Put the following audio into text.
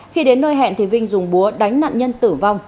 khi đến nơi hẹn thì vinh dùng búa đánh nạn nhân tử vong